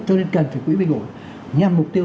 cho nên cần phải quỹ bình ổn nhằm mục tiêu